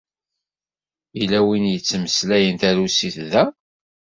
Yella win yettmeslayen tarusit da?